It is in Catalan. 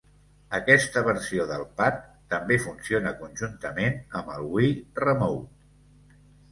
Aquesta versió del pad també funciona conjuntament amb el Wii Remote.